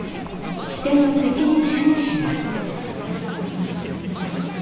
支店の責任者にします。